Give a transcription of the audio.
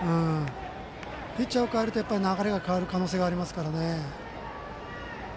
ピッチャーを代えると流れが変わる可能性がありますからね。